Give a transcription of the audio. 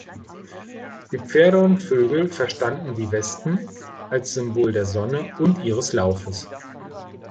Die Pferde und Vögel verstanden die Wepsen als Symbol der Sonne und ihres Laufes.